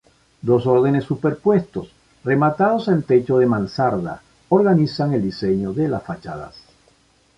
Dos órdenes superpuestos, rematados en techo de mansarda, organizan el diseño de las fachadas.